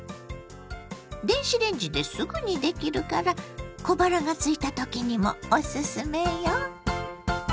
電子レンジですぐにできるから小腹がすいた時にもおすすめよ。